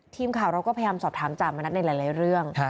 ทีมข่าวเราก็พยายามสอบถามจามณัฐในหลายเรื่อง